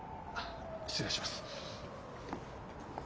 失礼します。